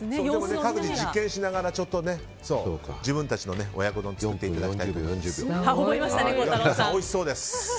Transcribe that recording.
各自、実験しながら自分たちの親子丼を作っていただきたいと思います。